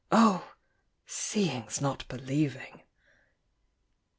Oh! seeing's not believing!